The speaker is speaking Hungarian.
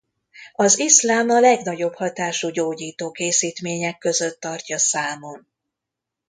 Az iszlám a legnagyobb hatású gyógyító készítmények között tartja számon.